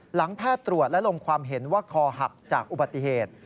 แพทย์ตรวจและลงความเห็นว่าคอหักจากอุบัติเหตุ